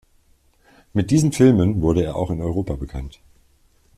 Mit diesen Filmen wurde er auch in Europa bekannt.